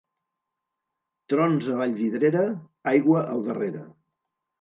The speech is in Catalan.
Trons a Vallvidrera, aigua al darrere.